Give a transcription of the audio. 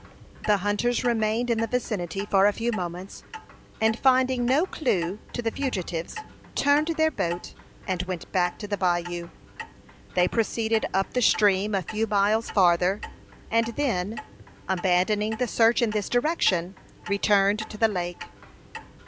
The hunters remained in the vicinity for a few moments, and finding no clew to the fugitives, turned their boat, and went back to the bayou. They proceeded up the stream a few miles farther, and then, abandoning the search in this direction, returned to the lake.